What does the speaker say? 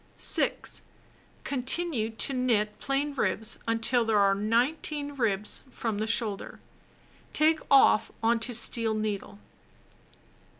6. Continue to knit plain ribs until there are 19 ribs from the shoulder. Take off on to steel needle.